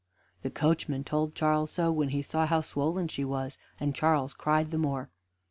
The coachman told Charles so when he saw how swollen she was, and Charles cried the more.